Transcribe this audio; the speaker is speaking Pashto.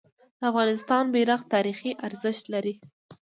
د افغانستان بیرغ تاریخي ارزښت لري.